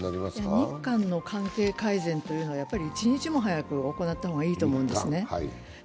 日韓の関係改善は一日も早く行った方がいいとをんですね。